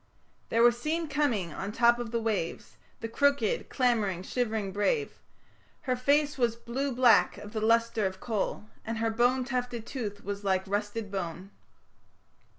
There was seen coming on the top of the waves The crooked, clamouring, shivering brave ... Her face was blue black of the lustre of coal, And her bone tufted tooth was like rusted bone.